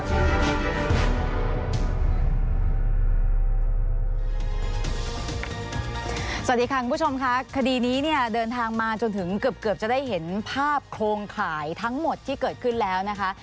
สวัสดีค่ะคุณผู้ชมค่ะคดีนี้เนี่ยเดินทางมาจนถึงเกือบจะได้เห็นภาพโครงข่ายทั้งหมดที่เกิดขึ้นแล้วนะคะ